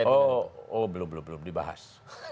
oh belum dibahas